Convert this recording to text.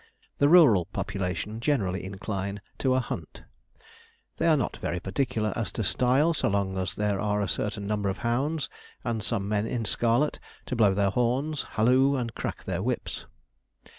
The rural population generally incline to a hunt. They are not very particular as to style, so long as there are a certain number of hounds, and some men in scarlet, to blow their horns, halloo, and crack their whips.